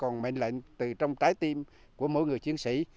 nhưng là từ trong trái tim của mỗi người chiến sĩ